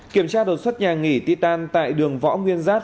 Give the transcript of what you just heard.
kiểm tra đột xuất nhà nghỉ ti tan tại đường võ nguyên giáp